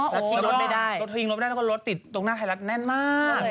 แล้วก็ทิ้งรถไปได้แล้วก็รถติดตรงหน้าไทยแน่นมาก